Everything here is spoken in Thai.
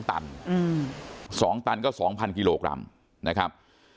ตัน๒ตันก็๒๐๐กิโลกรัมนะครับ